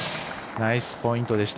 ナイスポイントでした。